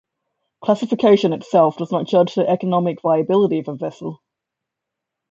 Classification itself does not judge the economic viability of a vessel.